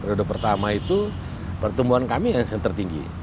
periode pertama itu pertumbuhan kami yang tertinggi